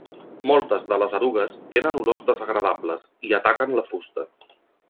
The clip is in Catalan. Moltes de les erugues tenen olors desagradables; i ataquen la fusta.